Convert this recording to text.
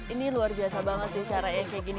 ini luar biasa banget sih cara yang kayak gini